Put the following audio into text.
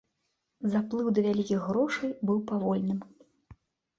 Заплыў да вялікіх грошай быў павольным.